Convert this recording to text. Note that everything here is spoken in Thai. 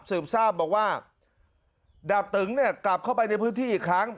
สืบทราบบอกว่าดาบตึงเนี่ยกลับเข้าไปในพื้นที่อีกครั้ง